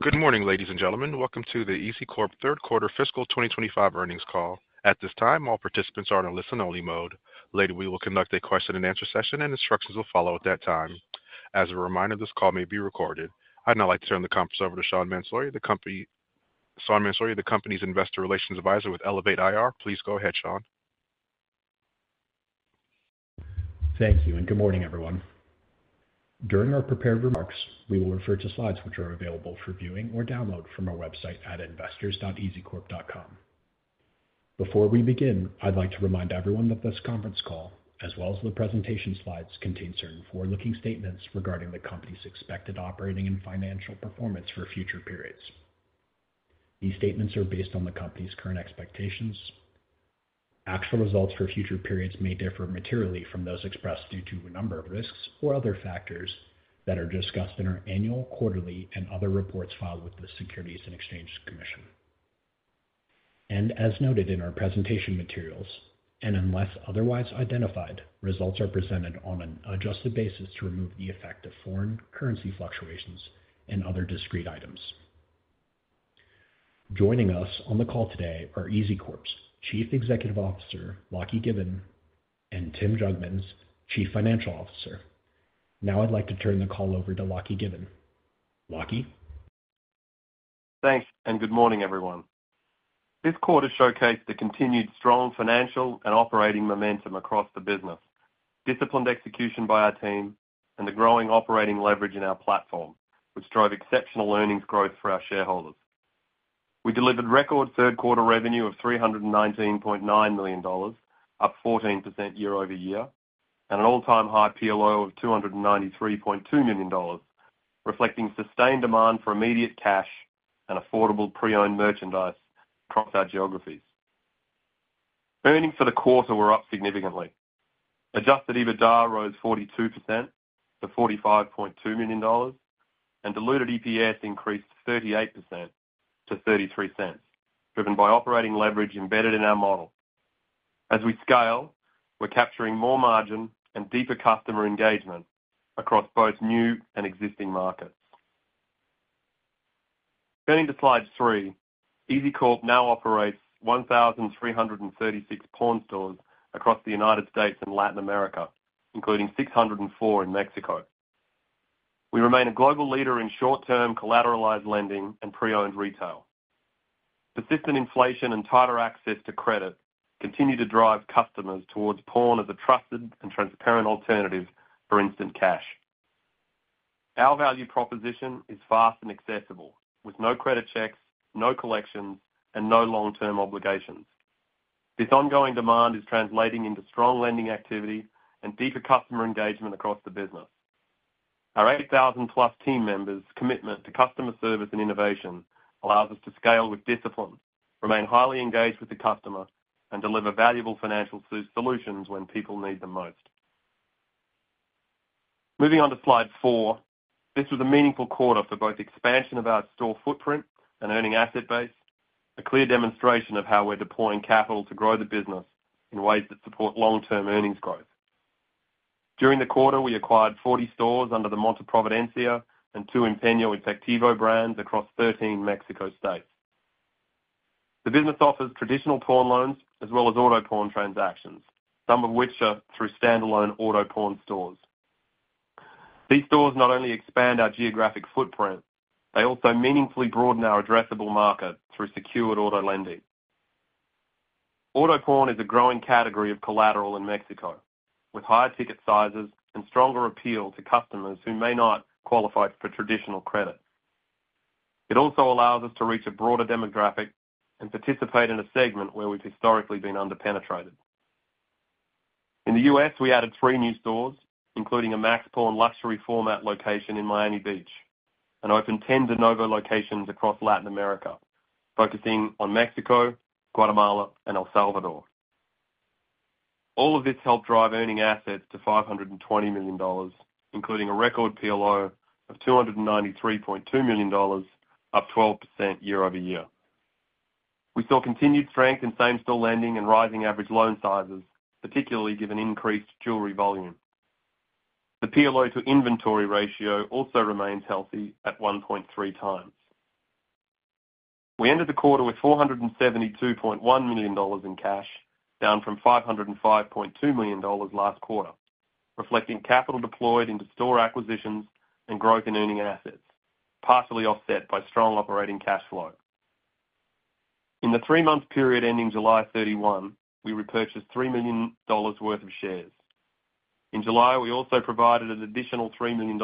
Good morning, ladies and gentlemen. Welcome to the EZCORP third quarter fiscal 2025 earnings call. At this time, all participants are in a listen-only mode. Later, we will conduct a question and answer session, and instructions will follow at that time. As a reminder, this call may be recorded. I'd now like to turn the conference over to Sean Mansouri, the company's Investor Relations Advisor with Elevate IR. Please go ahead, Sean. Thank you, and good morning, everyone. During our prepared remarks, we will refer to slides which are available for viewing or download from our website at investors.ezcorp.com. Before we begin, I'd like to remind everyone that this conference call, as well as the presentation slides, contains certain forward-looking statements regarding the company's expected operating and financial performance for future periods. These statements are based on the company's current expectations. Actual results for future periods may differ materially from those expressed due to a number of risks or other factors that are discussed in our annual, quarterly, and other reports filed with the Securities and Exchange Commission. As noted in our presentation materials, and unless otherwise identified, results are presented on an adjusted basis to remove the effect of foreign currency fluctuations and other discrete items. Joining us on the call today are EZCORP's Chief Executive Officer, Lachie Given, and Tim Jugmans, Chief Financial Officer. Now I'd like to turn the call over to Lachie Given. Lachie? Thanks, and good morning, everyone. This quarter showcased the continued strong financial and operating momentum across the business, disciplined execution by our team, and the growing operating leverage in our platform, which drove exceptional earnings growth for our shareholders. We delivered record third-quarter revenue of $319.9 million, up 14% year-over-year, and an all-time high PLO of $293.2 million, reflecting sustained demand for immediate cash and affordable pre-owned merchandise across our geographies. Earnings for the quarter were up significantly. Adjusted EBITDA rose 42% to $45.2 million, and diluted EPS increased 38% to $0.33, driven by operating leverage embedded in our model. As we scale, we're capturing more margin and deeper customer engagement across both new and existing markets. Turning to slide three, EZCORP now operates 1,336 pawn stores across the United States and Latin America, including 604 in Mexico. We remain a global leader in short-term collateralized lending and pre-owned retail. Persistent inflation and tighter access to credit continue to drive customers towards pawn as a trusted and transparent alternative for instant cash. Our value proposition is fast and accessible, with no credit checks, no collections, and no long-term obligations. This ongoing demand is translating into strong lending activity and deeper customer engagement across the business. Our 8,000-plus team members' commitment to customer service and innovation allows us to scale with discipline, remain highly engaged with the customer, and deliver valuable financial solutions when people need them most. Moving on to slide four, this was a meaningful quarter for both expansion of our store footprint and earning asset base, a clear demonstration of how we're deploying capital to grow the business in ways that support long-term earnings growth. During the quarter, we acquired 40 stores under the Monte Providencia and two Empeño Efectivo brands across 13 Mexico states. The business offers traditional pawn loans as well as auto pawn transactions, some of which are through standalone auto pawn stores. These stores not only expand our geographic footprint, they also meaningfully broaden our addressable market through secured auto lending. Auto pawn is a growing category of collateral in Mexico, with higher ticket sizes and stronger appeal to customers who may not qualify for traditional credit. It also allows us to reach a broader demographic and participate in a segment where we've historically been underpenetrated. In the U.S., we added three new stores, including a Max Pawn luxury format location in Miami Beach, and opened 10 de novo locations across Latin America, focusing on Mexico, Guatemala, and El Salvador. All of this helped drive earning assets to $520 million, including a record PLO of $293.2 million, up 12% year-over-year. We saw continued strength in same-store lending and rising average loan sizes, particularly given increased jewelry volume. The PLO to inventory ratio also remains healthy at 1.3 times. We ended the quarter with $472.1 million in cash, down from $505.2 million last quarter, reflecting capital deployed into store acquisitions and growth in earning assets, partially offset by strong operating cash flow. In the three-month period ending July 31, we repurchased $3 million worth of shares. In July, we also provided an additional $3 million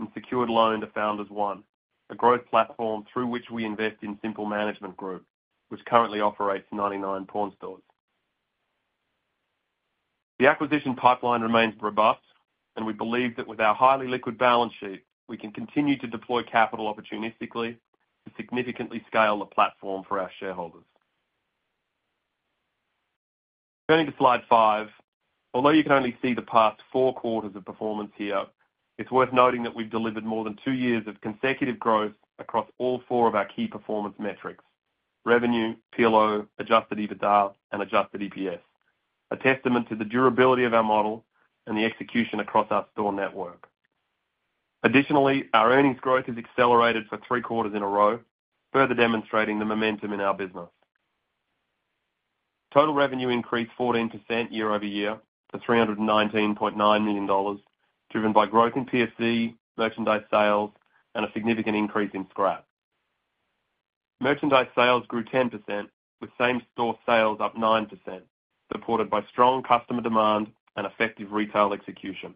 in secured loan to Founders One, a growth platform through which we invest in Simple Management Group, which currently operates 99 pawn stores. The acquisition pipeline remains robust, and we believe that with our highly liquid balance sheet, we can continue to deploy capital opportunistically to significantly scale the platform for our shareholders. Turning to slide five, although you can only see the past four quarters of performance here, it's worth noting that we've delivered more than two years of consecutive growth across all four of our key performance metrics: revenue, PLO, adjusted EBITDA, and adjusted EPS, a testament to the durability of our model and the execution across our store network. Additionally, our earnings growth has accelerated for three quarters in a row, further demonstrating the momentum in our business. Total revenue increased 14% year-over-year to $319.9 million, driven by growth in PSE, merchandise sales, and a significant increase in scrap. Merchandise sales grew 10%, with same-store sales up 9%, supported by strong customer demand and effective retail execution.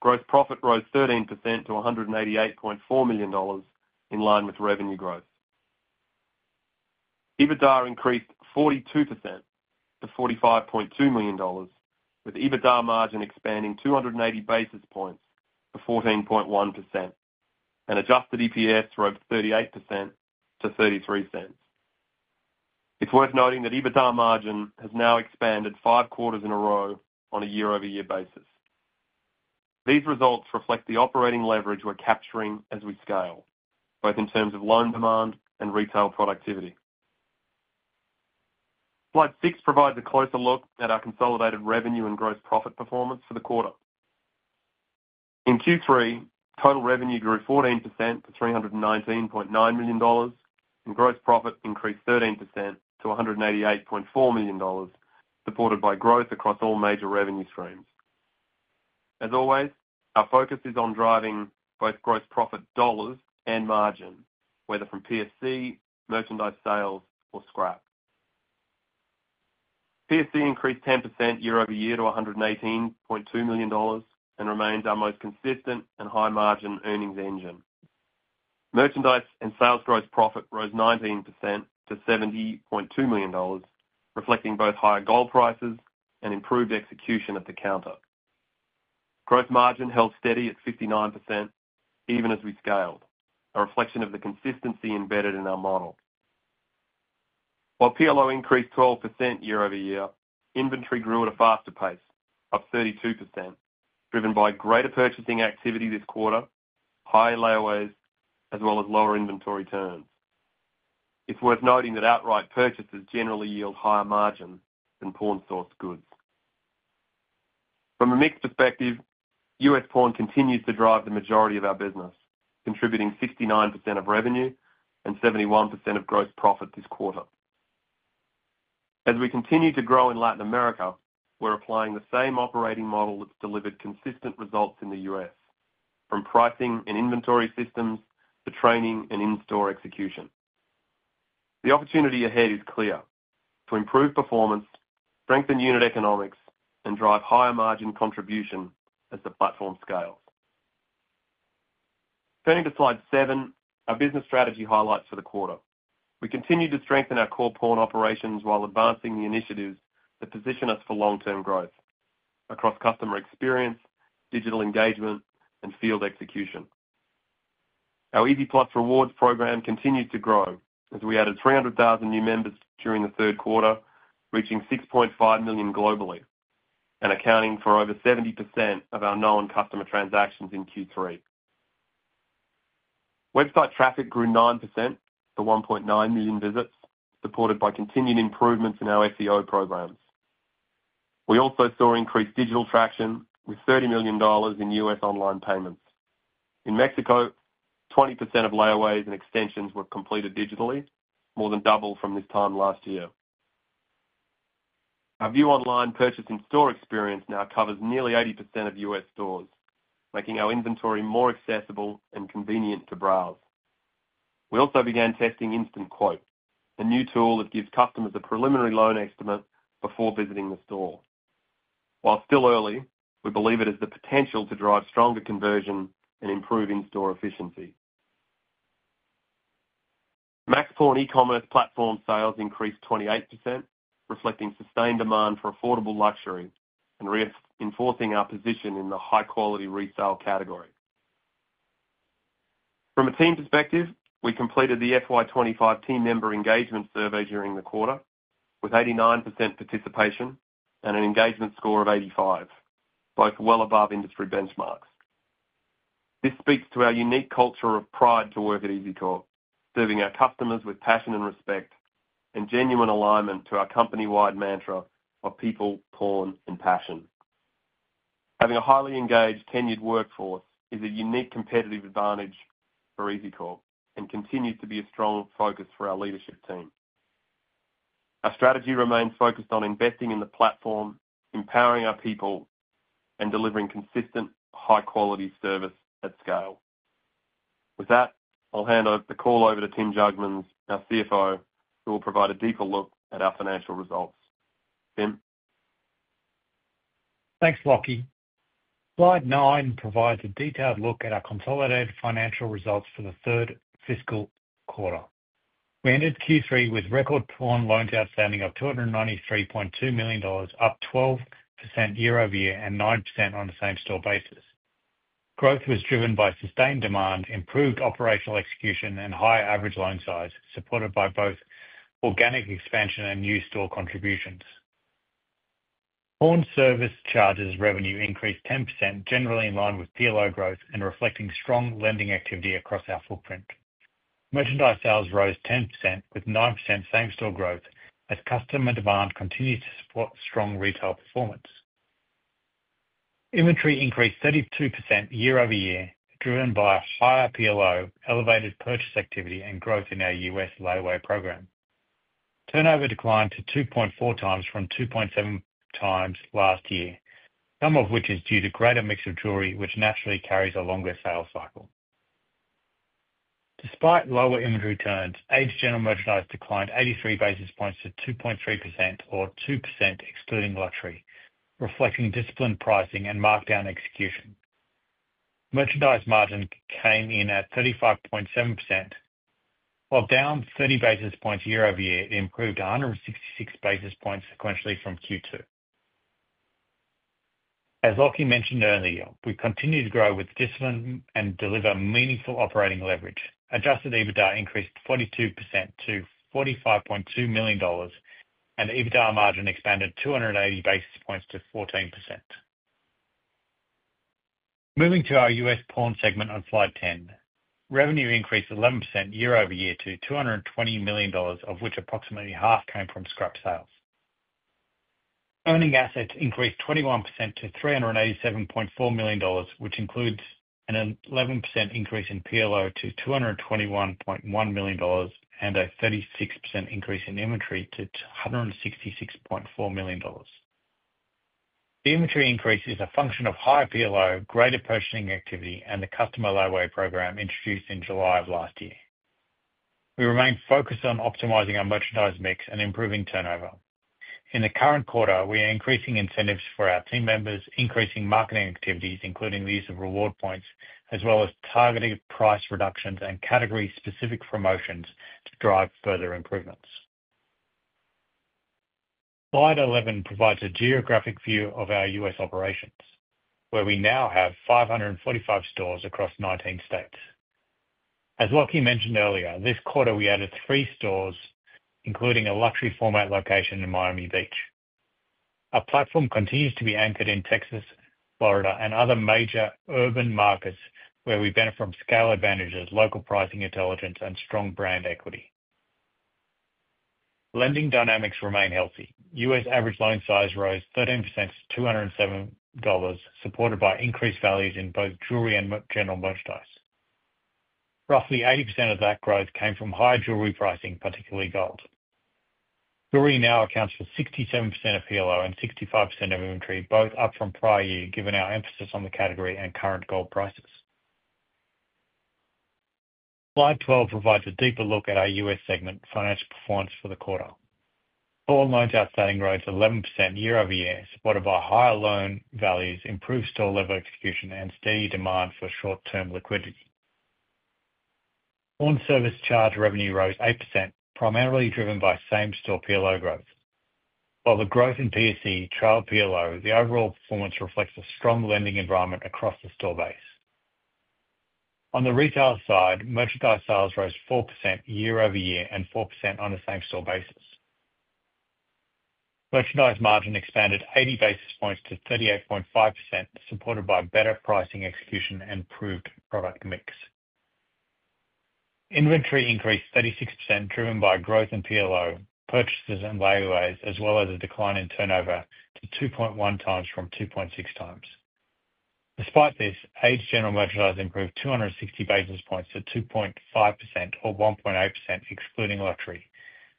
Gross profit rose 13% to $188.4 million, in line with revenue growth. EBITDA increased 42% to $45.2 million, with EBITDA Margin expanding 280 basis points to 14.1%, and adjusted EPS rose 38% to $0.33. It's worth noting that EBITDA Margin has now expanded five quarters in a row on a year-over-year basis. These results reflect the operating leverage we're capturing as we scale, both in terms of loan demand and retail productivity. Slide six provides a closer look at our consolidated revenue and gross profit performance for the quarter. In Q3, total revenue grew 14% to $319.9 million, and gross profit increased 13% to $188.4 million, supported by growth across all major revenue streams. As always, our focus is on driving both gross profit dollars and margin, whether from PSE, merchandise sales, or scrap. PSE increased 10% year-over-year to $118.2 million and remains our most consistent and high-margin earnings engine. Merchandise and sales gross profit rose 19% to $70.2 million, reflecting both higher gold prices and improved execution at the counter. Gross margin held steady at 59% even as we scaled, a reflection of the consistency embedded in our model. While PLO increased 12% year-over-year, inventory grew at a faster pace, up 32%, driven by greater purchasing activity this quarter, high layaways, as well as lower inventory turns. It's worth noting that outright purchases generally yield higher margins than pawn-stored goods. From a mix perspective, U.S. pawn continues to drive the majority of our business, contributing 69% of revenue and 71% of gross profit this quarter. As we continue to grow in Latin America, we're applying the same operating model that's delivered consistent results in the U.S., from pricing and inventory systems to training and in-store execution. The opportunity ahead is clear to improve performance, strengthen unit economics, and drive higher margin contribution as the platform scales. Turning to slide seven, our business strategy highlights for the quarter. We continue to strengthen our core pawn operations while advancing the initiatives that position us for long-term growth across customer experience, digital engagement, and field execution. Our EV+ Rewards program continues to grow as we added 300,000 new members during the third quarter, reaching 6.5 million globally and accounting for over 70% of our known customer transactions in Q3. Website traffic grew 9% to 1.9 million visits, supported by continued improvements in our SEO programs. We also saw increased digital traction with $30 million in U.S. online payments. In Mexico, 20% of layaways and extensions were completed digitally, more than double from this time last year. Our view online purchase in-store experience now covers nearly 80% of U.S. stores, making our inventory more accessible and convenient to browse. We also began testing Instant Quote, a new tool that gives customers a preliminary loan estimate before visiting the store. While still early, we believe it has the potential to drive stronger conversion and improve in-store efficiency. Max Pawn e-commerce platform sales increased 28%, reflecting sustained demand for affordable luxury and reinforcing our position in the high-quality resale category. From a team perspective, we completed the FY 2025 team member engagement survey during the quarter with 89% participation and an engagement score of 85%, both well above industry benchmarks. This speaks to our unique culture of pride to work at EZCORP, serving our customers with passion and respect and genuine alignment to our company-wide mantra of people, pawn, and passion. Having a highly engaged tenured workforce is a unique competitive advantage for EZCORP and continues to be a strong focus for our leadership team. Our strategy remains focused on investing in the platform, empowering our people, and delivering consistent, high-quality service at scale. With that, I'll hand the call over to Tim Jugmans, our Chief Financial Officer, who will provide a deeper look at our financial results. Tim? Thanks, Lachie. Slide nine provides a detailed look at our consolidated financial results for the third fiscal quarter. We ended Q3 with record Pawn Loans Outstanding of $293.2 million, up 12% year-over-year and 9% on a same-store basis. Growth was driven by sustained demand, improved operational execution, and high average loan size, supported by both organic expansion and new store contributions. Pawn service charges revenue increased 10%, generally in line with PLO growth and reflecting strong lending activity across our footprint. Merchandise sales rose 10%, with 9% same-store growth, as customer demand continues to support strong retail performance. Inventory increased 32% year-over-year, driven by higher PLO, elevated purchase activity, and growth in our U.S. layaway program. Turnover declined to 2.4 times from 2.7 times last year, some of which is due to greater mix of jewelry, which naturally carries a longer sale cycle. Despite lower inventory turns, aged general merchandise declined 83 basis points to 2.3%, or 2% excluding luxury, reflecting disciplined pricing and markdown execution. Merchandise margin came in at 35.7%. While down 30 basis points year-over-year, it improved 166 basis points sequentially from Q2. As Lachie mentioned earlier, we continue to grow with discipline and deliver meaningful operating leverage. Adjusted EBITDA increased 42% to $45.2 million, and EBITDA Margin expanded 280 basis points to 14%. Moving to our U.S. pawn segment on slide 10, revenue increased 11% year-over-year to $220 million, of which approximately half came from scrap sales. Earning assets increased 21% to $387.4 million, which includes an 11% increase in PLO to $221.1 million and a 36% increase in inventory to $166.4 million. The inventory increase is a function of higher PLO, greater purchasing activity, and the customer layaway program introduced in July of last year. We remain focused on optimizing our merchandise mix and improving turnover. In the current quarter, we are increasing incentives for our team members, increasing marketing activities, including the use of reward points, as well as targeted price reductions and category-specific promotions to drive further improvements. Slide 11 provides a geographic view of our U.S. operations, where we now have 545 stores across 19 states. As Lachie mentioned earlier, this quarter we added three stores, including a luxury format location in Miami Beach. Our platform continues to be anchored in Texas, Florida, and other major urban markets, where we benefit from scale advantages, local pricing intelligence, and strong brand equity. Lending dynamics remain healthy. U.S. average loan size rose 13% to $207, supported by increased values in both jewelry and general merchandise. Roughly 80% of that growth came from higher jewelry pricing, particularly gold. Jewelry now accounts for 67% of PLO and 65% of inventory, both up from prior year, given our emphasis on the category and current gold prices. Slide 12 provides a deeper look at our U.S. segment financial performance for the quarter. Pawn Loans Outstanding rose 11% year-over-year, supported by higher loan values, improved store level execution, and steady demand for short-term liquidity. Pawn service charge revenue rose 8%, primarily driven by same-store PLO growth. While the growth in PSE trailed PLO, the overall performance reflects a strong lending environment across the store base. On the retail side, merchandise sales rose 4% year-over-year and 4% on a same-store basis. Merchandise margin expanded 80 basis points to 38.5%, supported by better pricing execution and improved product mix. Inventory increased 36%, driven by growth in PLO, purchases, and layaways, as well as a decline in turnover to 2.1 times from 2.6 times. Despite this, aged general merchandise improved 260 basis points to 2.5%, or 1.8% excluding luxury,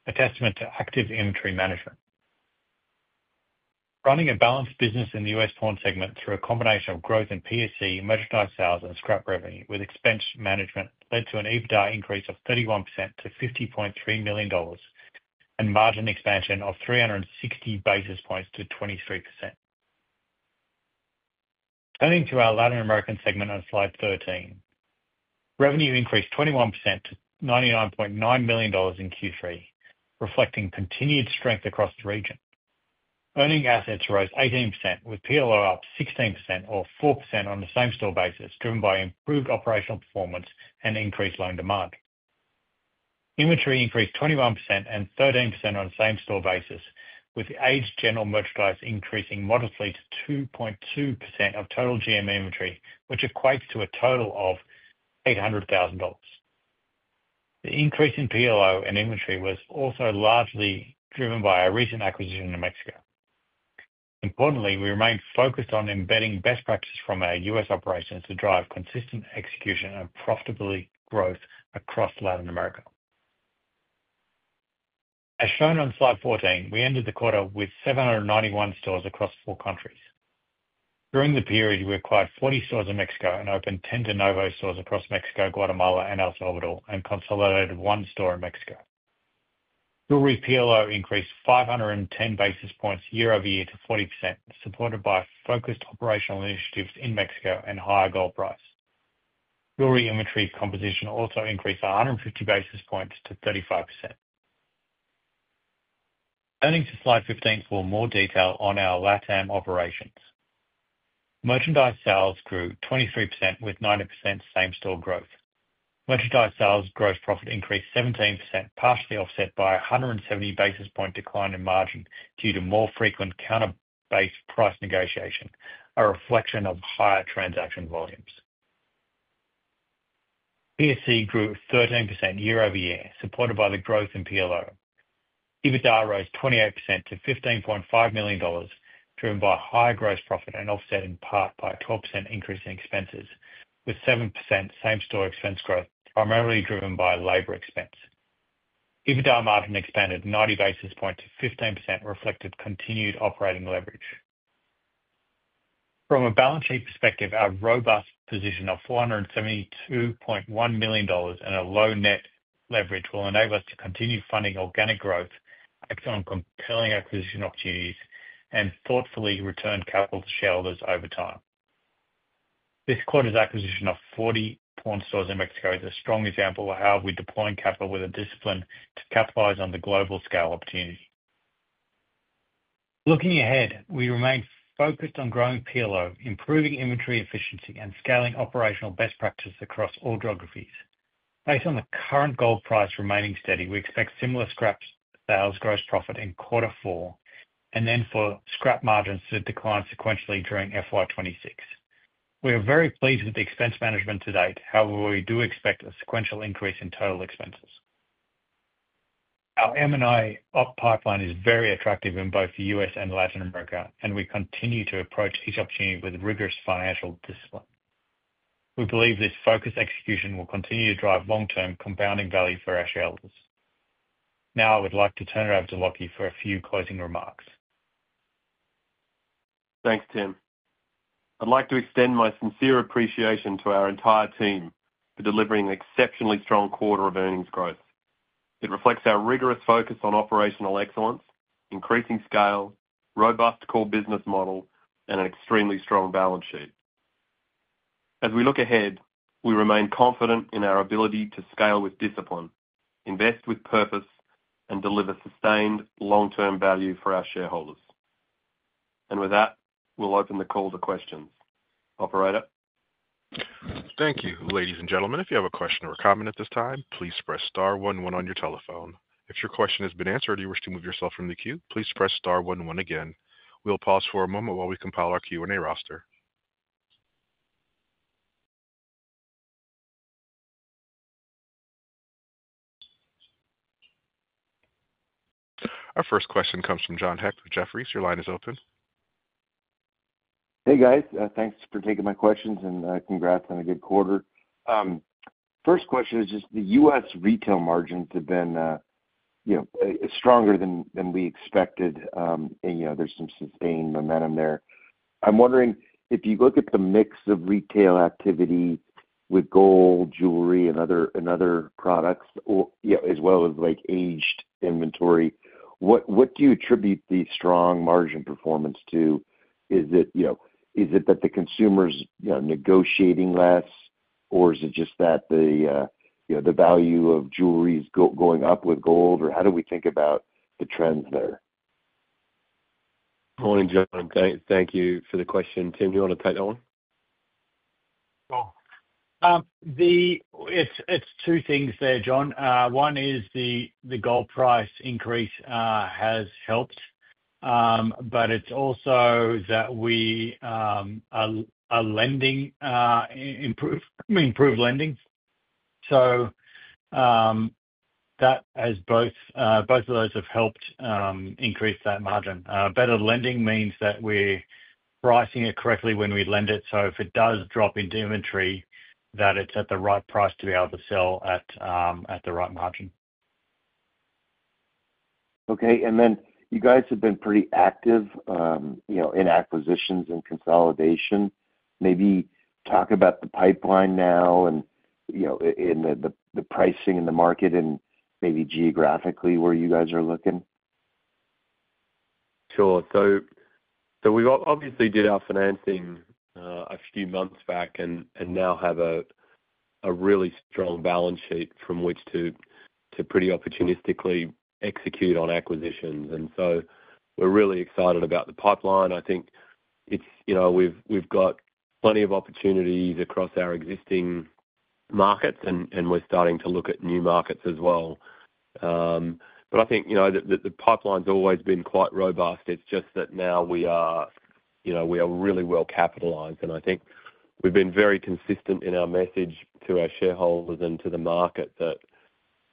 a testament to active inventory management. Running a balanced business in the U.S. pawn segment through a combination of growth in PSE, merchandise sales, and scrap revenue, with expense management led to an EBITDA increase of 31% to $50.3 million and margin expansion of 360 basis points to 23%. Turning to our Latin American segment on slide 13, revenue increased 21% to $99.9 million in Q3, reflecting continued strength across the region. Earning assets rose 18%, with PLO up 16% or 4% on the same-store basis, driven by improved operational performance and increased loan demand. Inventory increased 21% and 13% on the same-store basis, with aged general merchandise increasing modestly to 2.2% of total GM inventory, which equates to a total of $800,000. The increase in PLO and inventory was also largely driven by our recent acquisition in Mexico. Importantly, we remain focused on embedding best practices from our U.S. operations to drive consistent execution and profitability growth across Latin America. As shown on slide 14, we ended the quarter with 791 stores across four countries. During the period, we acquired 40 stores in Mexico and opened 10 de novo stores across Mexico, Guatemala, and El Salvador, and consolidated one store in Mexico. Jewelry's PLO increased 510 basis points year-over-year to 40%, supported by focused operational initiatives in Mexico and higher gold price. Jewelry inventory composition also increased by 150 basis points to 35%. Turning to slide 15 for more detail on our LATAM operations. Merchandise sales grew 23% with 90% same-store growth. Merchandise sales gross profit increased 17%, partially offset by a 170 basis point decline in margin due to more frequent counter-based price negotiation, a reflection of higher transaction volumes. PSE grew 13% year-over-year, supported by the growth in PLO. EBITDA rose 28% to $15.5 million, driven by higher gross profit and offset in part by a 12% increase in expenses, with 7% same-store expense growth, primarily driven by labor expense. EBITDA Margin expanded 90 basis points to 15%, reflected continued operating leverage. From a balance sheet perspective, our robust position of $472.1 million and a low net leverage will enable us to continue funding organic growth, excellent compelling acquisition opportunities, and thoughtfully return capital to shareholders over time. This quarter's acquisition of 40 pawn stores in Mexico is a strong example of how we're deploying capital with a discipline to capitalize on the global scale opportunity. Looking ahead, we remain focused on growing PLO, improving inventory efficiency, and scaling operational best practices across all geographies. Based on the current gold price remaining steady, we expect similar scrap sales, gross profit in quarter four, and for scrap margins to decline sequentially during FY 2026. We are very pleased with the expense management to date; however, we do expect a sequential increase in total expenses. Our M&A op pipeline is very attractive in both the U.S. and Latin America, and we continue to approach each opportunity with rigorous financial discipline. We believe this focused execution will continue to drive long-term compounding value for our shareholders. Now, I would like to turn it over to Lachie for a few closing remarks. Thanks, Tim. I'd like to extend my sincere appreciation to our entire team for delivering an exceptionally strong quarter of earnings growth. It reflects our rigorous focus on operational excellence, increasing scale, robust core business model, and an extremely strong balance sheet. As we look ahead, we remain confident in our ability to scale with discipline, invest with purpose, and deliver sustained long-term value for our shareholders. With that, we'll open the call to questions. Operator? Thank you, ladies and gentlemen. If you have a question or comment at this time, please press star one one on your telephone. If your question has been answered or you wish to move yourself from the queue, please press star one one again. We'll pause for a moment while we compile our Q&A roster. Our first question comes from John Hecht with Jefferies. Your line is open. Hey, guys. Thanks for taking my questions and congrats on a good quarter. First question is just the U.S. retail margins have been, you know, stronger than we expected, and you know there's some sustained momentum there. I'm wondering, if you look at the mix of retail activity with gold, jewelry, and other products, as well as like aged inventory, what do you attribute the strong margin performance to? Is it, you know, is it that the consumer's negotiating less, or is it just that the, you know, the value of jewelry is going up with gold, or how do we think about the trends there? I want to jump in. Thank you for the question. Tim, do you want to take that one? It's two things there, John. One is the gold price increase has helped, but it's also that we are improving lending. Both of those have helped increase that margin. Better lending means that we're pricing it correctly when we lend it, so if it does drop into inventory, it's at the right price to be able to sell at the right margin. Okay. You guys have been pretty active in acquisitions and consolidation. Maybe talk about the pipeline now and the pricing in the market, and maybe geographically where you guys are looking. Sure. We obviously did our financing a few months back and now have a really strong balance sheet from which to pretty opportunistically execute on acquisitions. We're really excited about the pipeline. I think it's, you know, we've got plenty of opportunities across our existing markets, and we're starting to look at new markets as well. I think the pipeline's always been quite robust. It's just that now we are really well capitalized. We've been very consistent in our message to our shareholders and to the market that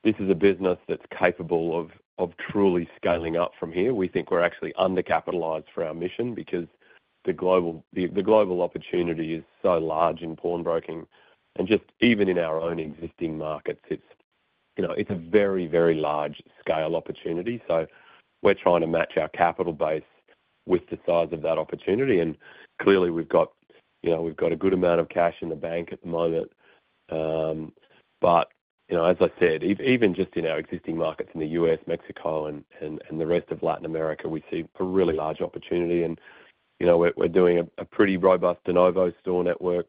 this is a business that's capable of truly scaling up from here. We think we're actually under-capitalized for our mission because the global opportunity is so large in pawn broking. Even in our own existing markets, it's a very, very large scale opportunity. We're trying to match our capital base with the size of that opportunity. Clearly, we've got a good amount of cash in the bank at the moment. As I said, even just in our existing markets in the U.S., Mexico, and the rest of Latin America, we see a really large opportunity. We're doing a pretty robust de novo store network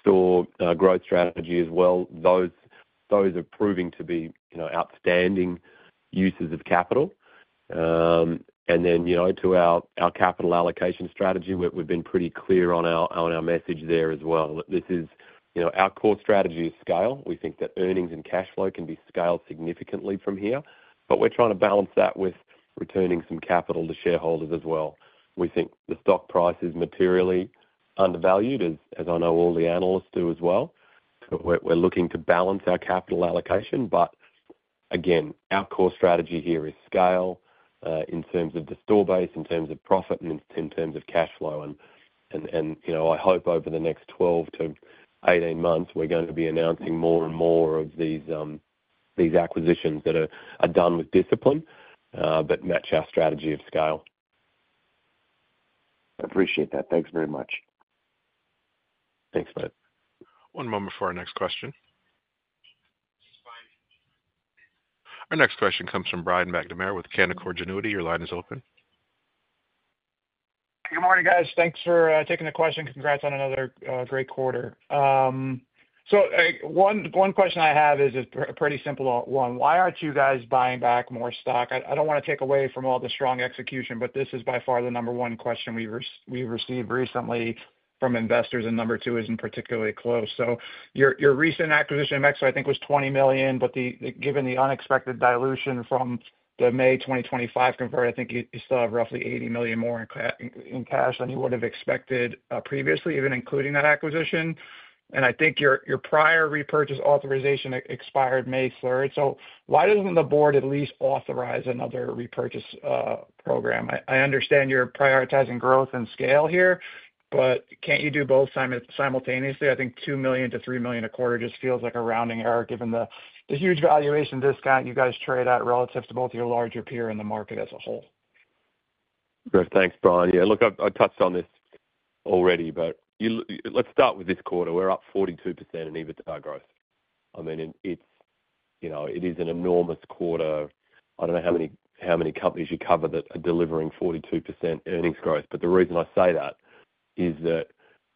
store growth strategy as well. Those are proving to be outstanding uses of capital. To our capital allocation strategy, we've been pretty clear on our message there as well. Our core strategy is scale. We think that earnings and cash flow can be scaled significantly from here, but we're trying to balance that with returning some capital to shareholders as well. We think the stock price is materially undervalued, as I know all the analysts do as well. We're looking to balance our capital allocation. Again, our core strategy here is scale in terms of the store base, in terms of profit, and in terms of cash flow. I hope over the next 12 to 18 months, we're going to be announcing more and more of these acquisitions that are done with discipline but match our strategy of scale. Appreciate that. Thanks very much. Thanks, man. One moment for our next question. Our next question comes from Brian McNamara with Canaccord Genuity. Your line is open. Good morning, guys. Thanks for taking the question. Congrats on another great quarter. One question I have is a pretty simple one. Why aren't you guys buying back more stock? I don't want to take away from all the strong execution, but this is by far the number one question we've received recently from investors, and number two isn't particularly close. Your recent acquisition in Mexico, I think, was $20 million, but given the unexpected dilution from the May 2025 convert, I think you still have roughly $80 million more in cash than you would have expected previously, even including that acquisition. I think your prior repurchase authorization expired May 3rd. Why doesn't the board at least authorize another repurchase program? I understand you're prioritizing growth and scale here, but can't you do both simultaneously? I think $2 million to $3 million a quarter just feels like a rounding error given the huge valuation discount you guys trade at relative to both your larger peer and the market as a whole. Great. Thanks, Brian. Yeah, look, I touched on this already, but let's start with this quarter. We're up 42% in EBITDA growth. I mean, it's, you know, it is an enormous quarter. I don't know how many companies you cover that are delivering 42% earnings growth, but the reason I say that is that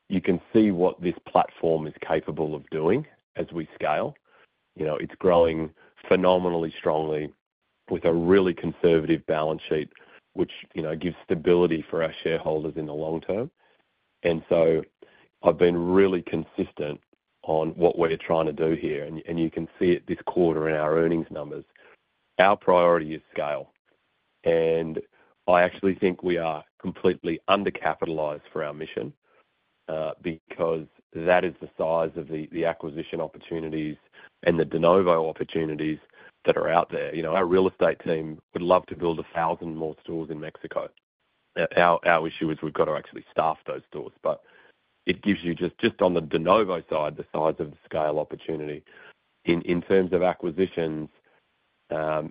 you can see what this platform is capable of doing as we scale. It's growing phenomenally strongly with a really conservative balance sheet, which gives stability for our shareholders in the long term. I've been really consistent on what we're trying to do here. You can see it this quarter in our earnings numbers. Our priority is scale. I actually think we are completely under-capitalized for our mission, because that is the size of the acquisition opportunities and the de novo opportunities that are out there. Our real estate team would love to build 1,000 more stores in Mexico. Our issue is we've got to actually staff those stores. It gives you just, just on the de novo side, the size of scale opportunity. In terms of acquisitions, we're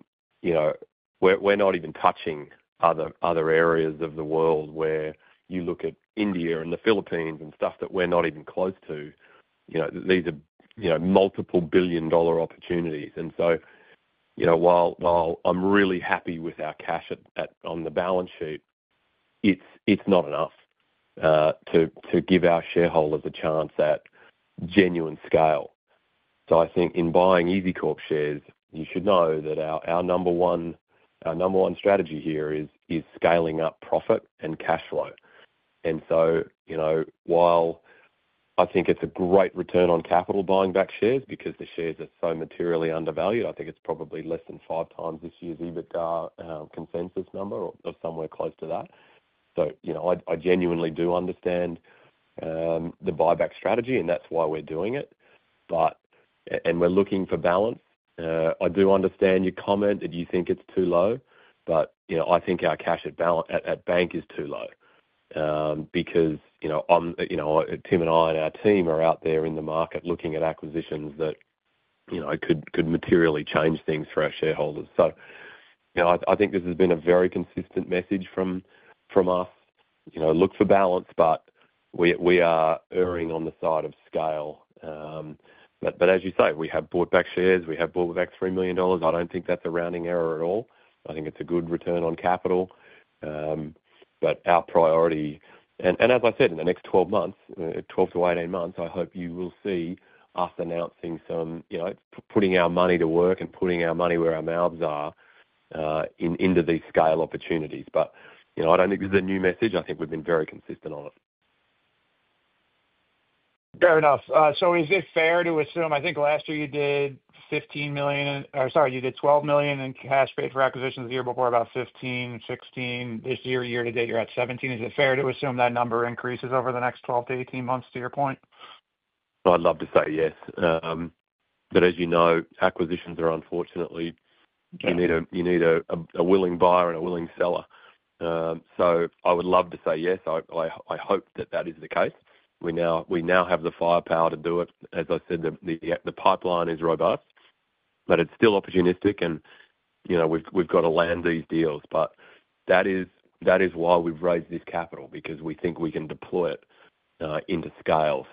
not even touching other areas of the world where you look at India and the Philippines and stuff that we're not even close to. These are multiple billion-dollar opportunities. While I'm really happy with our cash on the balance sheet, it's not enough to give our shareholders a chance at genuine scale. I think in buying EZCORP shares, you should know that our number one, our number one strategy here is scaling up profit and cash flow. While I think it's a great return on capital buying back shares because the shares are so materially undervalued, I think it's probably less than five times this year's EBITDA consensus number or somewhere close to that. I genuinely do understand the buyback strategy, and that's why we're doing it. We're looking for balance. I do understand your comment that you think it's too low, but I think our cash at bank is too low, because Tim and I and our team are out there in the market looking at acquisitions that could materially change things for our shareholders. I think this has been a very consistent message from us. Look for balance, but we are erring on the side of scale. As you say, we have bought back shares. We have bought back $3 million. I don't think that's a rounding error at all. I think it's a good return on capital. Our priority, as I said, in the next 12 to 18 months, I hope you will see us announcing some, you know, putting our money to work and putting our money where our mouths are, into these scale opportunities. I don't think this is a new message. I think we've been very consistent on it. Fair enough. Is it fair to assume, I think last year you did $12 million in cash paid for acquisitions, the year before about $15 million, $16 million this year. Year to date, you're at $17 million. Is it fair to assume that number increases over the next 12 to 18 months to your point? I'd love to say yes, but as you know, acquisitions are, unfortunately, you need a willing buyer and a willing seller. I would love to say yes. I hope that that is the case. We now have the firepower to do it. As I said, the pipeline is robust, but it's still opportunistic. You know, we've got to land these deals. That is why we've raised this capital, because we think we can deploy it into scale.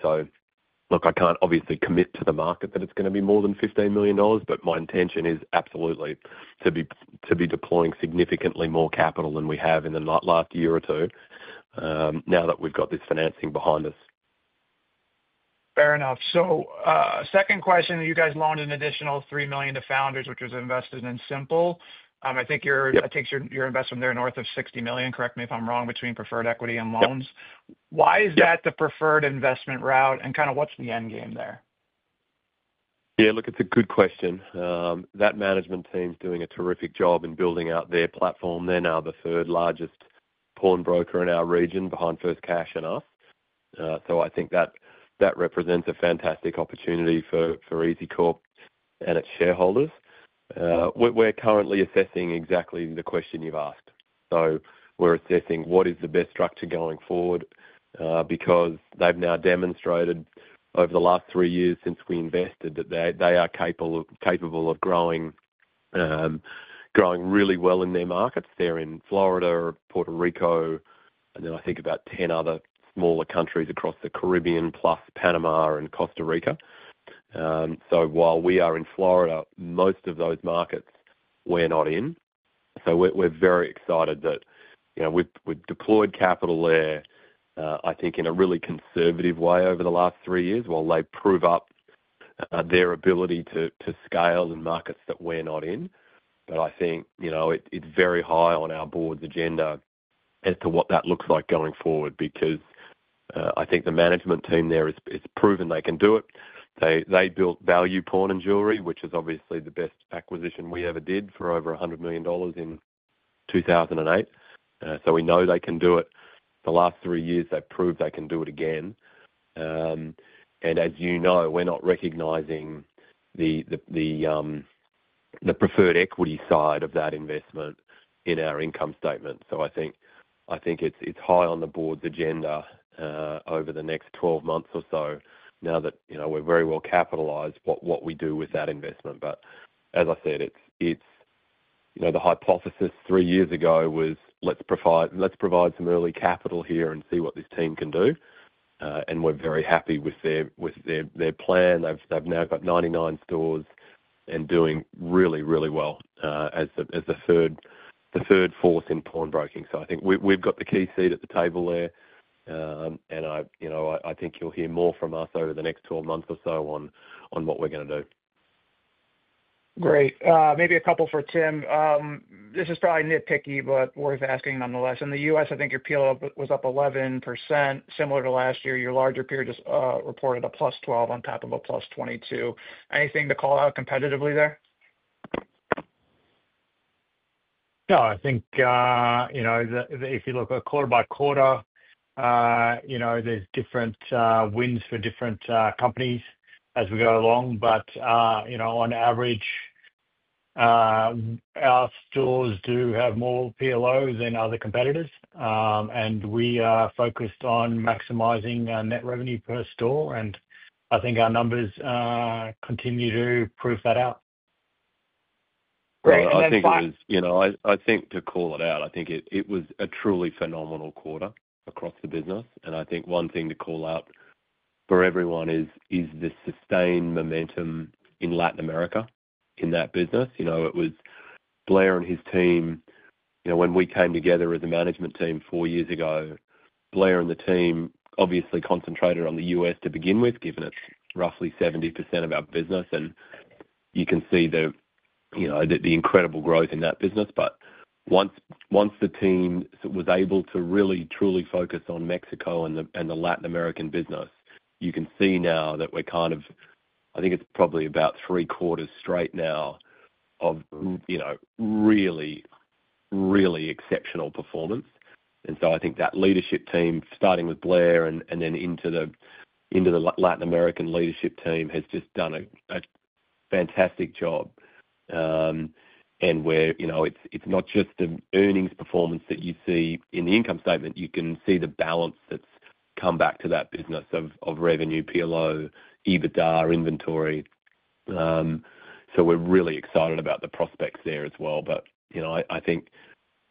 Look, I can't obviously commit to the market that it's going to be more than $15 million, but my intention is absolutely to be deploying significantly more capital than we have in the last year or two, now that we've got this financing behind us. Fair enough. Second question, you guys loaned an additional $3 million to Founders, which was invested in Simple. I think your investment there north of $60 million, correct me if I'm wrong, between preferred equity and loans. Why is that the preferred investment route, and kind of what's the end game there? Yeah, look, it's a good question. That management team's doing a terrific job in building out their platform. They're now the third largest pawn broker in our region, behind FirstCash and us. I think that represents a fantastic opportunity for EZCORP and its shareholders. We're currently assessing exactly the question you've asked. We're assessing what is the best structure going forward, because they've now demonstrated over the last three years since we invested that they are capable of growing, growing really well in their markets. They're in Florida, Puerto Rico, and then I think about 10 other smaller countries across the Caribbean, plus Panama and Costa Rica. While we are in Florida, most of those markets we're not in. We're very excited that we've deployed capital there, I think in a really conservative way over the last three years, while they prove up their ability to scale in markets that we're not in. I think it's very high on our board's agenda as to what that looks like going forward because I think the management team there has proven they can do it. They built Value Pawn & Jewelry, which is obviously the best acquisition we ever did for over $100 million in 2008. We know they can do it. The last three years, they've proved they can do it again. As you know, we're not recognizing the preferred equity side of that investment in our income statement. I think it's high on the board's agenda, over the next 12 months or so now that we're very well capitalized, what we do with that investment. As I said, the hypothesis three years ago was let's provide some early capital here and see what this team can do. We're very happy with their plan. They've now got 99 stores and doing really, really well, as the third force in pawn broking. I think we've got the key seat at the table there. I think you'll hear more from us over the next 12 months or so on what we're going to do. Great. Maybe a couple for Tim. This is probably nitpicky, but worth asking nonetheless. In the U.S., I think your PLO was up 11%, similar to last year. Your larger peer just reported a +12% on top of a +22%. Anything to call out competitively there? I think, if you look at quarter by quarter, there's different wins for different companies as we go along. On average, our stores do have more PLO than other competitors. We are focused on maximizing our net revenue per store, and I think our numbers continue to prove that out. Great. I think, you know, to call it out, it was a truly phenomenal quarter across the business. One thing to call out for everyone is the sustained momentum in Latin America in that business. It was Blair and his team, when we came together as a management team four years ago, Blair and the team obviously concentrated on the U.S. to begin with, given it's roughly 70% of our business. You can see the incredible growth in that business. Once the team was able to really, truly focus on Mexico and the Latin American business, you can see now that we're kind of, I think it's probably about three quarters straight now of really, really exceptional performance. That leadership team, starting with Blair and then into the Latin American leadership team, has just done a fantastic job. It's not just the earnings performance that you see in the income statement. You can see the balance that's come back to that business of revenue, PLO, EBITDA, inventory. We're really excited about the prospects there as well. I think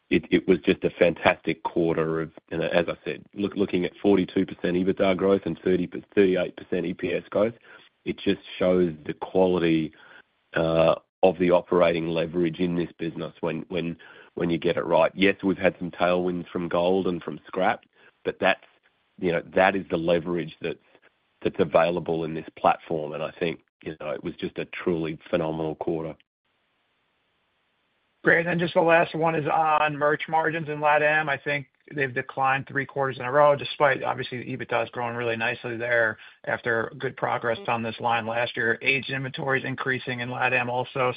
it was just a fantastic quarter, and as I said, looking at 42% EBITDA growth and 38% EPS growth, it just shows the quality of the operating leverage in this business when you get it right. Yes, we've had some tailwinds from gold and from scrap, but that's the leverage that's available in this platform. I think it was just a truly phenomenal quarter. Great. Just the last one is on merch margins in LATAM. I think they've declined three quarters in a row despite, obviously, EBITDA is growing really nicely there after good progress on this line last year. Aged inventory is increasing in LATAM also.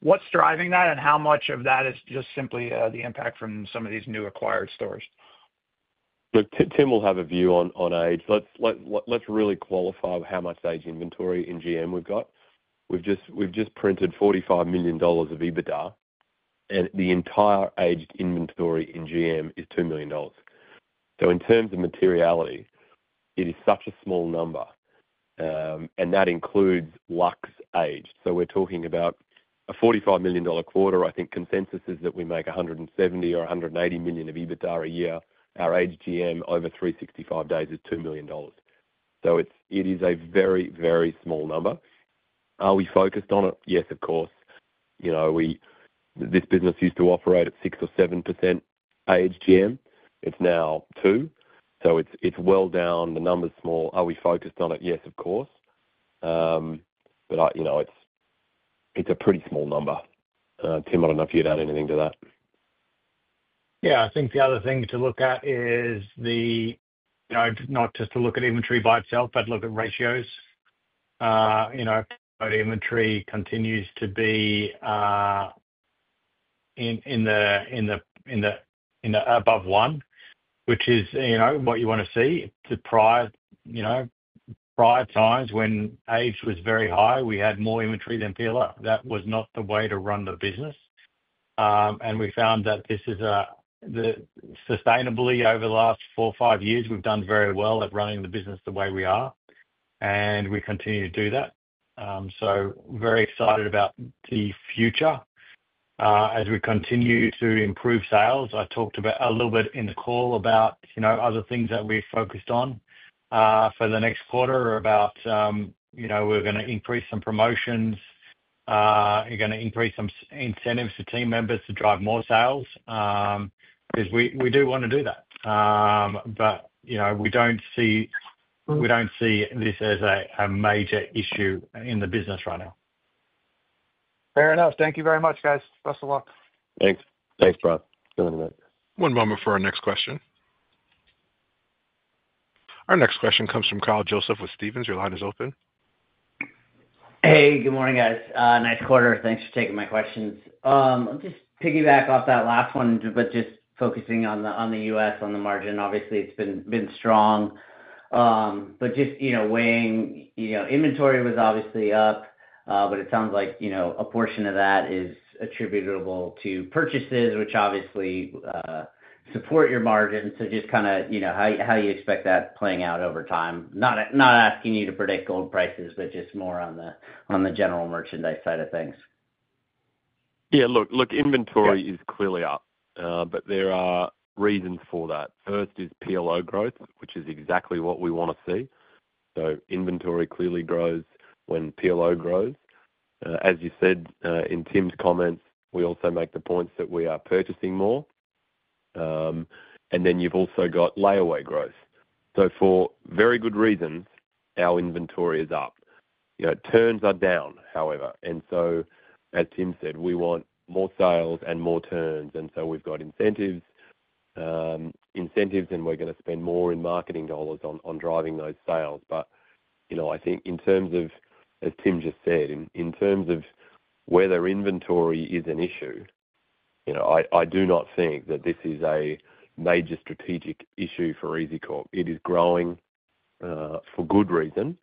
What's driving that and how much of that is just simply the impact from some of these new acquired stores? Tim will have a view on aged. Let's really qualify how much aged inventory in GM we've got. We've just printed $45 million of EBITDA, and the entire aged inventory in GM is $2 million. In terms of materiality, it is such a small number. That includes Lux aged. We're talking about a $45 million quarter. I think consensus is that we make $170 or $180 million of EBITDA a year. Our aged GM over 365 days is $2 million. It is a very, very small number. Are we focused on it? Yes, of course. This business used to operate at 6% or 7% aged GM. It's now 2%. It's well down. The number's small. Are we focused on it? Yes, of course. It's a pretty small number. Tim, I don't know if you'd add anything to that. Yeah, I think the other thing to look at is, you know, not just to look at inventory by itself, but look at ratios. Inventory continues to be in the above one, which is, you know, what you want to see. The prior times when aged was very high, we had more inventory than PLO. That was not the way to run the business. We found that this is sustainably, over the last four or five years, we've done very well at running the business the way we are. We continue to do that. Very excited about the future as we continue to improve sales. I talked a little bit in the call about, you know, other things that we've focused on for the next quarter are about, you know, we're going to increase some promotions. You're going to increase some incentives to team members to drive more sales because we do want to do that. We don't see this as a major issue in the business right now. Fair enough. Thank you very much, guys. Best of luck. Thanks, thanks, Brian. One moment for our next question. Our next question comes from Kyle Joseph with Stephens. Your line is open. Hey, good morning, guys. Nice quarter. Thanks for taking my questions. I'm just piggybacking off that last one, but just focusing on the U.S., on the margin. Obviously, it's been strong. Just, you know, weighing, you know, inventory was obviously up, but it sounds like, you know, a portion of that is attributable to purchases, which obviously support your margin. Just kind of, you know, how you expect that playing out over time. Not asking you to predict gold prices, just more on the general merchandise side of things. Yeah, look, inventory is clearly up, but there are reasons for that. First is PLO growth, which is exactly what we want to see. Inventory clearly grows when PLO grows. As you said in Tim's comments, we also make the points that we are purchasing more, and then you've also got layaway growth. For very good reasons, our inventory is up. Turns are down, however, and as Tim said, we want more sales and more turns. We've got incentives, and we are going to spend more in marketing dollars on driving those sales. I think in terms of, as Tim just said, in terms of whether inventory is an issue, I do not think that this is a major strategic issue for EZCORP. It is growing for good reason,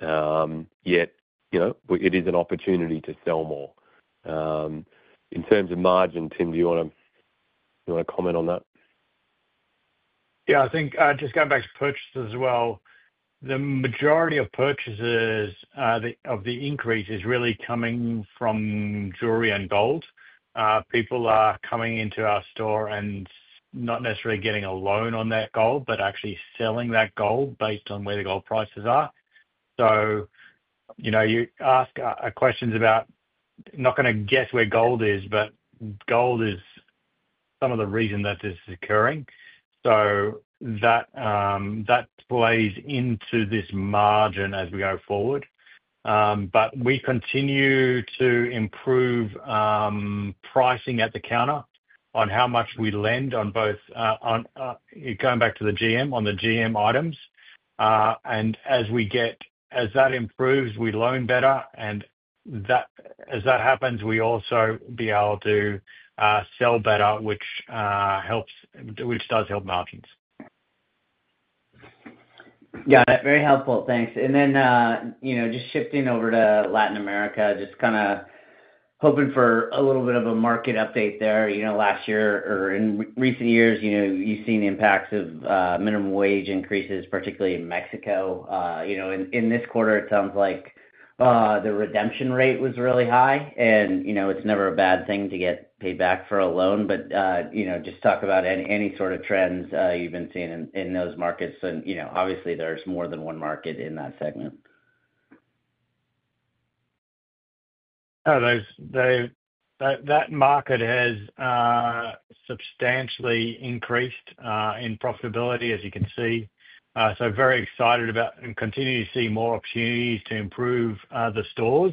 yet it is an opportunity to sell more. In terms of margin, Tim, do you want to comment on that? Yeah, I think just going back to purchases as well, the majority of purchases of the increase is really coming from jewelry and gold. People are coming into our store and not necessarily getting a loan on that gold, but actually selling that gold based on where the gold prices are. You ask questions about, I'm not going to guess where gold is, but gold is some of the reason that this is occurring. That plays into this margin as we go forward. We continue to improve pricing at the counter on how much we lend on both, going back to the GM, on the GM items. As we get, as that improves, we loan better. As that happens, we also be able to sell better, which helps, which does help margins. Yeah, very helpful. Thanks. Just shifting over to Latin America, just kind of hoping for a little bit of a market update there. Last year or in recent years, you've seen the impacts of minimum wage increases, particularly in Mexico. In this quarter, it sounds like the redemption rate was really high. It's never a bad thing to get paid back for a loan. Just talk about any sort of trends you've been seeing in those markets. Obviously, there's more than one market in that segment. That market has substantially increased in profitability, as you can see. Very excited about and continue to see more opportunities to improve the stores.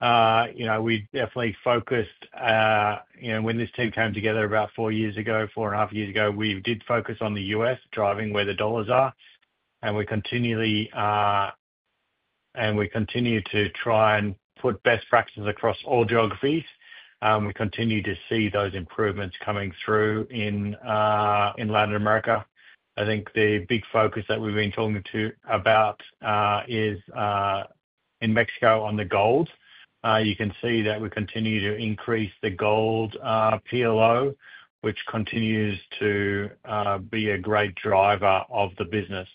We definitely focused, when this team came together about four years ago, four and a half years ago, we did focus on the U.S., driving where the dollars are. We continued to try and put best practices across all geographies. We continue to see those improvements coming through in Latin America. I think the big focus that we've been talking about is in Mexico on the gold. You can see that we continue to increase the gold PLO, which continues to be a great driver of the business,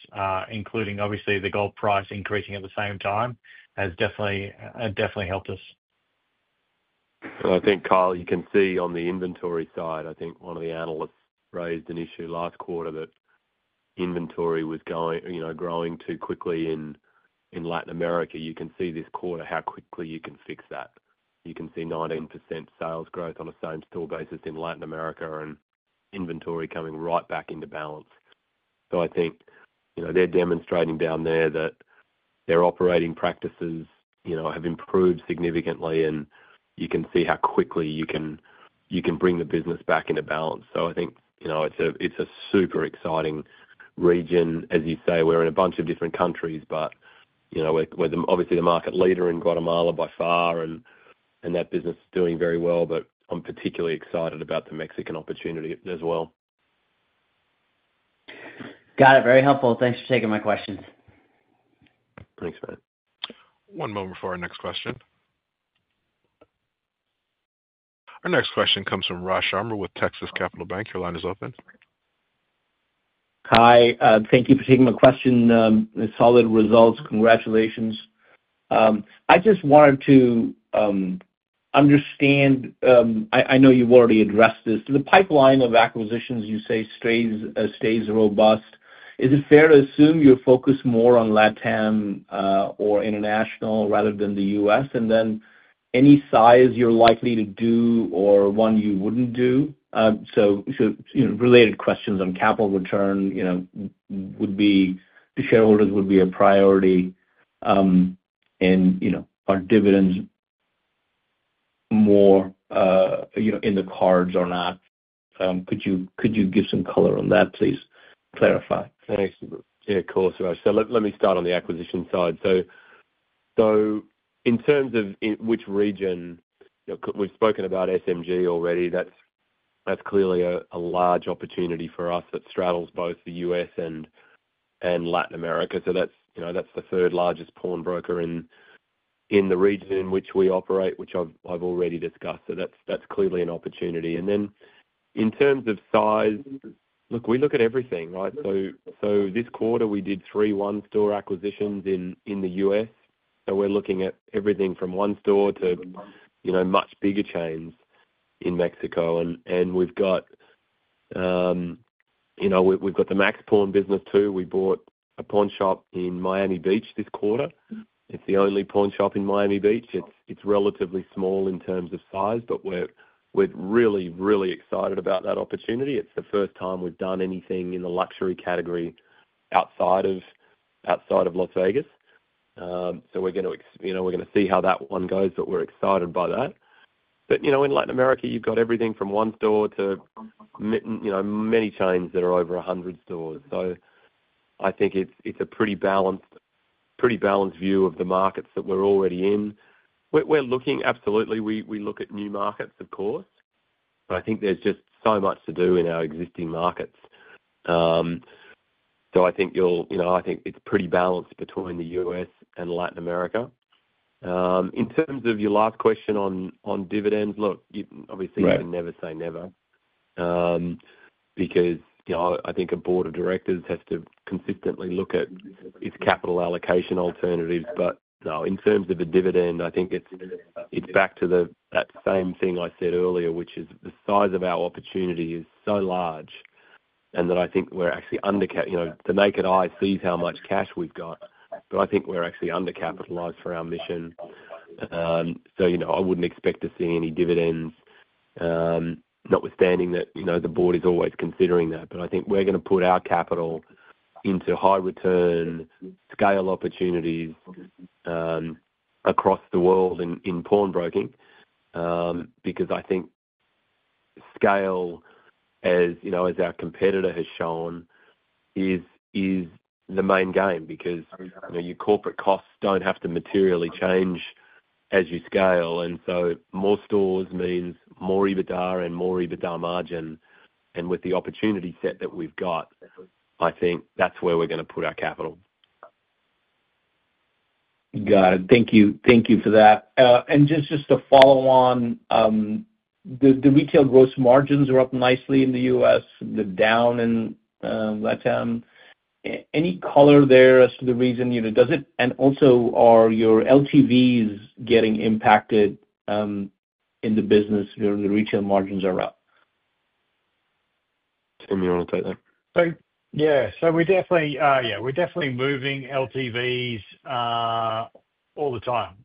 including obviously the gold price increasing at the same time. It has definitely helped us. I think, Kyle, you can see on the inventory side, I think one of the analysts raised an issue last quarter that inventory was growing too quickly in Latin America. You can see this quarter how quickly you can fix that. You can see 19% sales growth on the same store basis in Latin America and inventory coming right back into balance. I think they're demonstrating down there that their operating practices have improved significantly. You can see how quickly you can bring the business back into balance. I think it's a super exciting region. As you say, we're in a bunch of different countries, but we're obviously the market leader in Guatemala by far, and that business is doing very well. I'm particularly excited about the Mexican opportunity as well. Got it. Very helpful. Thanks for taking my questions. Thanks, man. One moment for our next question. Our next question comes from Raj Sharma with Texas Capital Bank. Your line is open. Hi. Thank you for taking my question. Solid results. Congratulations. I just wanted to understand, I know you've already addressed this, the pipeline of acquisitions you say stays robust. Is it fair to assume you're focused more on LATAM or international rather than the U.S.? Any size you're likely to do or one you wouldn't do? Related questions on capital return to shareholders would be a priority. Are dividends more in the cards or not? Could you give some color on that, please? Thanks. Yeah, of course, Raj. Let me start on the acquisition side. In terms of which region, we've spoken about Simple Management Group already. That's clearly a large opportunity for us that straddles both the U.S. and Latin America. That's the third largest pawn broker in the region in which we operate, which I've already discussed. That's clearly an opportunity. In terms of size, look, we look at everything, right? This quarter, we did three one-store acquisitions in the U.S. We're looking at everything from one store to much bigger chains in Mexico. We've got the Max Pawn business too. We bought a pawn shop in Miami Beach this quarter. It's the only pawn shop in Miami Beach. It's relatively small in terms of size, but we're really, really excited about that opportunity. It's the first time we've done anything in the luxury category outside of Las Vegas. We're going to see how that one goes, but we're excited by that. In Latin America, you've got everything from one store to many chains that are over 100 stores. I think it's a pretty balanced view of the markets that we're already in. We're looking, absolutely, we look at new markets, of course. I think there's just so much to do in our existing markets. I think you'll, I think it's pretty balanced between the U.S. and Latin America. In terms of your last question on dividends, look, obviously, you can never say never because I think a Board of Directors has to consistently look at its capital allocation alternatives. No, in terms of a dividend, I think it's back to that same thing I said earlier, which is the size of our opportunity is so large and that I think we're actually under, the naked eye sees how much cash we've got. I think we're actually under-capitalized for our mission. I wouldn't expect to see any dividends, notwithstanding that the Board is always considering that. I think we're going to put our capital into high-return scale opportunities across the world in pawn broking because I think scale, as you know, as our competitor has shown, is the main game because your corporate costs don't have to materially change as you scale. More stores means more EBITDA and more EBITDA Margin. With the opportunity set that we've got, I think that's where we're going to put our capital. Got it. Thank you. Thank you for that. Just to follow on, the retail gross margins are up nicely in the U.S. They're down in Latin America. Any color there as to the reason, you know, does it, and also are your LTVs getting impacted in the business where the retail margins are up? Tim, you want to take that? Yeah. We're definitely moving LTVs all the time.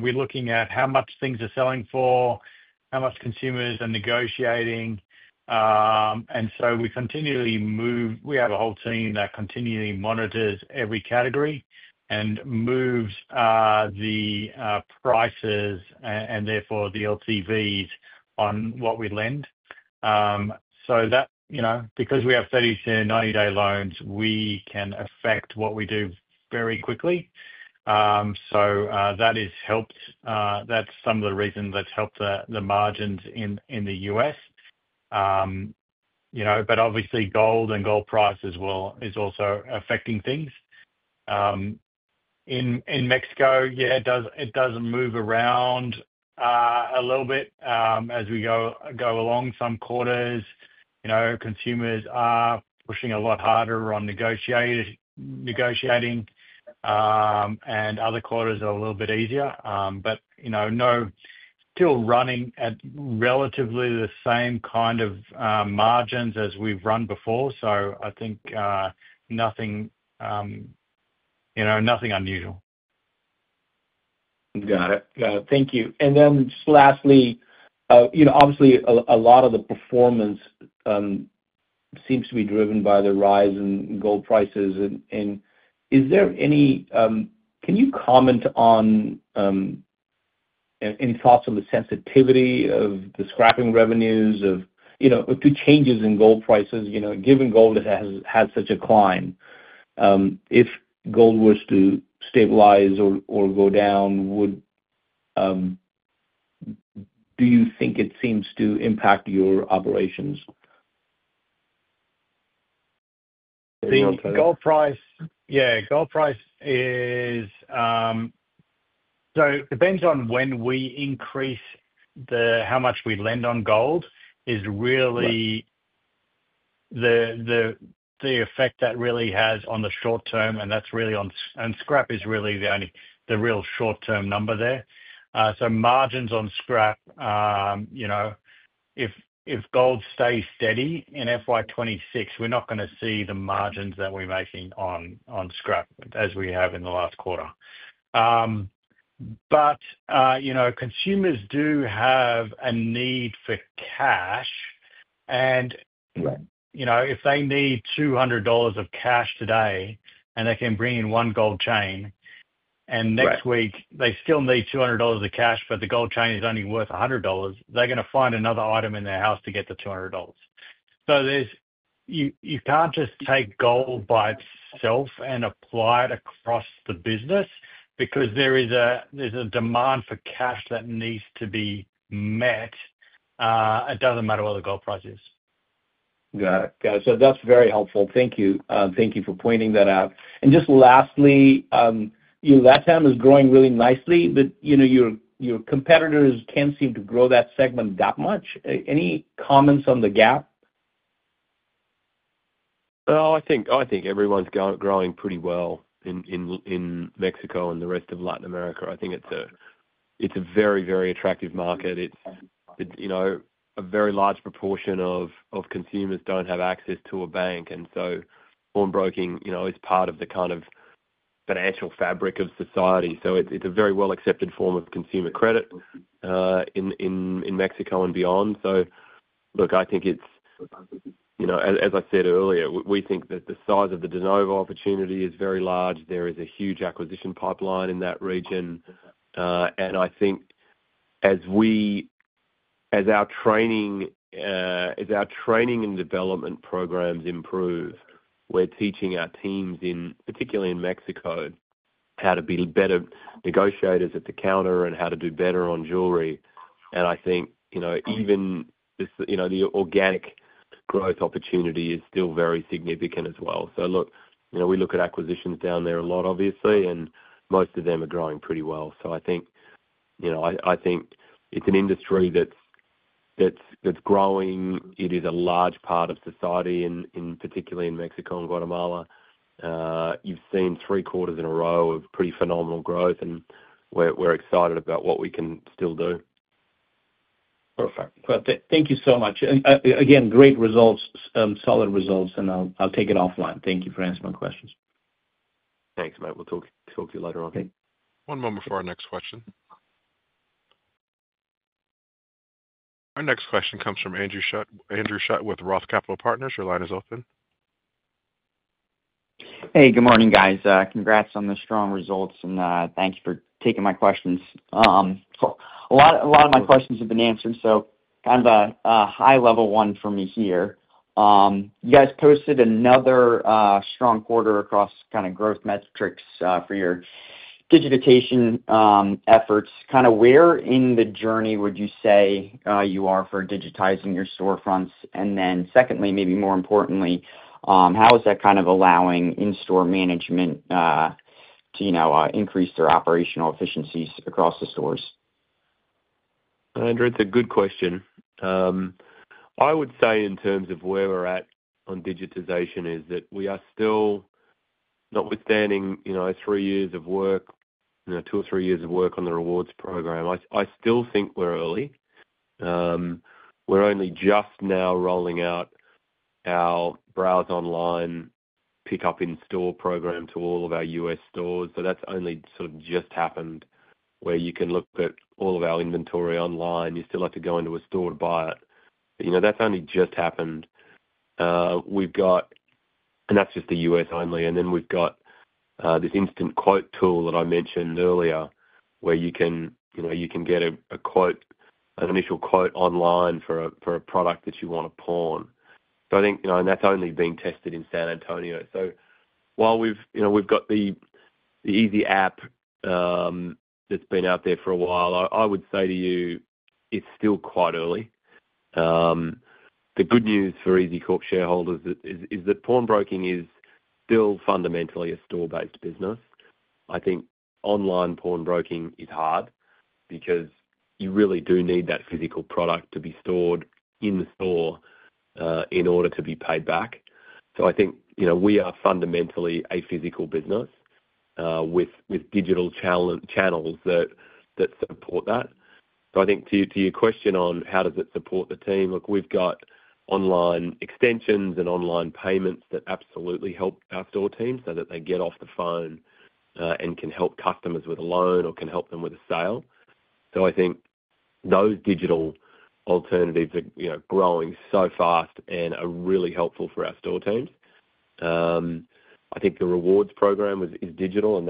We're looking at how much things are selling for, how much consumers are negotiating. We continually move, we have a whole team that continually monitors every category and moves the prices and therefore the LTVs on what we lend. Because we have 30 to 90-day loans, we can affect what we do very quickly. That has helped, that's some of the reasons that's helped the margins in the U.S. Obviously, gold and gold prices are also affecting things. In Mexico, it does move around a little bit as we go along. Some quarters, consumers are pushing a lot harder on negotiating, and other quarters are a little bit easier. Still running at relatively the same kind of margins as we've run before. I think nothing unusual. Got it. Thank you. Lastly, obviously, a lot of the performance seems to be driven by the rise in gold prices. Is there any, can you comment on any thoughts on the sensitivity of the scrapping revenues, if it changes in gold prices? Given gold has had such a climb, if gold were to stabilize or go down, do you think it seems to impact your operations? I think gold price, yeah, gold price is, so it depends on when we increase how much we lend on gold is really the effect that really has on the short term. That's really on scrap, is really the only the real short-term number there. Margins on scrap, you know, if gold stays steady in FY 2026, we're not going to see the margins that we're making on scrap as we have in the last quarter. Consumers do have a need for cash. If they need $200 of cash today and they can bring in one gold chain and next week they still need $200 of cash, but the gold chain is only worth $100, they're going to find another item in their house to get the $200. You can't just take gold by itself and apply it across the business because there is a demand for cash that needs to be met. It doesn't matter what the gold price is. Got it. That's very helpful. Thank you. Thank you for pointing that out. Lastly, LATAM is growing really nicely, but you know your competitors can't seem to grow that segment that much. Any comments on the gap? Oh, I think everyone's growing pretty well in Mexico and the rest of Latin America. I think it's a very, very attractive market. It's a very large proportion of consumers don't have access to a bank, and pawn broking is part of the kind of financial fabric of society. It's a very well-accepted form of consumer credit in Mexico and beyond. I think, as I said earlier, we think that the size of the de novo opportunity is very large. There is a huge acquisition pipeline in that region. I think as our training and development programs improve, we're teaching our teams, particularly in Mexico, how to be better negotiators at the counter and how to do better on jewelry. I think even the organic growth opportunity is still very significant as well. We look at acquisitions down there a lot, obviously, and most of them are growing pretty well. I think it's an industry that's growing. It is a large part of society, and particularly in Mexico and Guatemala. You've seen three quarters in a row of pretty phenomenal growth, and we're excited about what we can still do. Thank you so much. Again, great results, solid results, and I'll take it offline. Thank you for answering my questions. Thanks, mate. We'll talk to you later on. One moment for our next question. Our next question comes from Andrew Scutt with Roth Capital Partners. Your line is open. Hey, good morning, guys. Congrats on the strong results, and thank you for taking my questions. A lot of my questions have been answered, so kind of a high-level one for me here. You guys posted another strong quarter across kind of growth metrics for your digitization efforts. Where in the journey would you say you are for digitizing your storefronts? Secondly, maybe more importantly, how is that kind of allowing in-store management to increase their operational efficiencies across the stores? Andrew, it's a good question. I would say in terms of where we're at on digitization is that we are still, notwithstanding, you know, three years of work, you know, two or three years of work on the rewards program. I still think we're early. We're only just now rolling out our browse online pickup in-store program to all of our U.S. stores. That's only sort of just happened where you can look at all of our inventory online. You still have to go into a store to buy it. That's only just happened. We've got, and that's just the U.S. only, and then we've got this Instant Quote tool that I mentioned earlier where you can get a quote, an initial quote online for a product that you want to pawn. I think, and that's only being tested in San Antonio. While we've got the EZ app that's been out there for a while, I would say to you, it's still quite early. The good news for EZCORP shareholders is that pawn broking is still fundamentally a store-based business. I think online pawn broking is hard because you really do need that physical product to be stored in the store in order to be paid back. I think we are fundamentally a physical business with digital channels that support that. To your question on how does it support the team, look, we've got online extensions and online payments that absolutely help our store teams so that they get off the phone and can help customers with a loan or can help them with a sale. I think those digital alternatives are growing so fast and are really helpful for our store teams. I think the rewards program is digital, and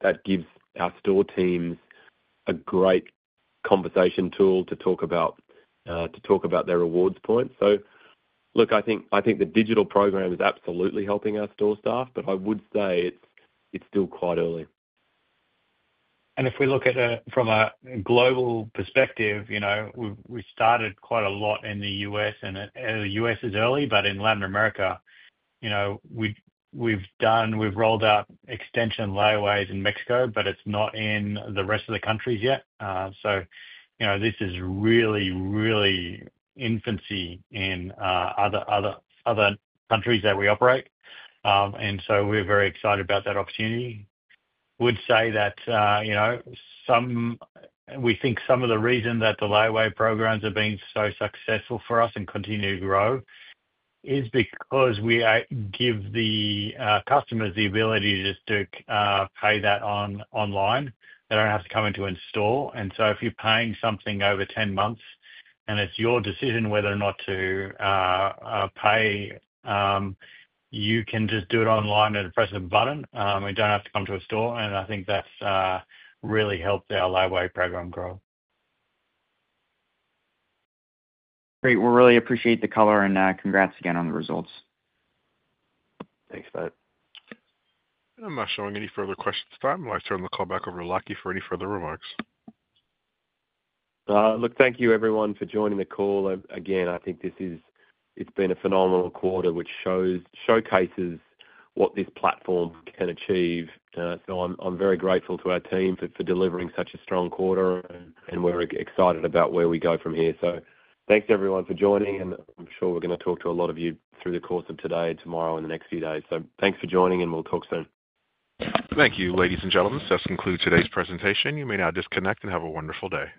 that gives our store teams a great conversation tool to talk about their rewards points. I think the digital program is absolutely helping our store staff, but I would say it's still quite early. If we look at it from a global perspective, we started quite a lot in the U.S., and the U.S. is early, but in Latin America, we've rolled out extension layaways in Mexico, but it's not in the rest of the countries yet. This is really, really infancy in other countries that we operate. We're very excited about that opportunity. I would say that we think some of the reason that the layaway programs are being so successful for us and continue to grow is because we give the customers the ability just to pay that online. They don't have to come into a store. If you're paying something over 10 months, and it's your decision whether or not to pay, you can just do it online and press a button. You don't have to come to a store. I think that's really helped our layaway program grow. Great. We really appreciate the color and congrats again on the results. Thanks, mate. I'm not showing any further questions at this time. I'd like to turn the call back over to Lachie for any further remarks. Thank you everyone for joining the call. I think this has been a phenomenal quarter, which showcases what this platform can achieve. I'm very grateful to our team for delivering such a strong quarter, and we're excited about where we go from here. Thanks everyone for joining, and I'm sure we're going to talk to a lot of you through the course of today, tomorrow, and the next few days. Thanks for joining, and we'll talk soon. Thank you, ladies and gentlemen. That concludes today's presentation. You may now disconnect and have a wonderful day.